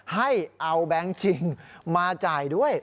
ให้เอาแบงค์จริงมาจ่ายด้วย